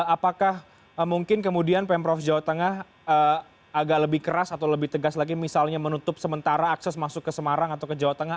apakah mungkin kemudian pemprov jawa tengah agak lebih keras atau lebih tegas lagi misalnya menutup sementara akses masuk ke semarang atau ke jawa tengah